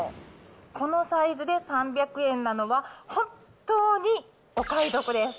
このサイズで３００円なのは本当にお買い得です。